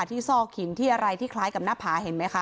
ซอกหินที่อะไรที่คล้ายกับหน้าผาเห็นไหมคะ